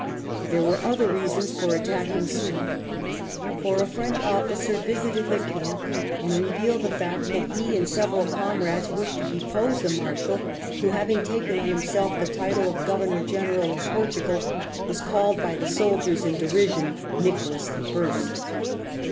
There were other reasons for attacking Soult, for a French officer visited the camp and revealed the fact that he and several comrades wished to depose the Marshal, who, having taken on himself the title of Governor General of Portugal, was called by the soldiers in derision Nicholas the First.